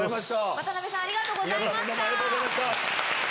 渡さんありがとうございました。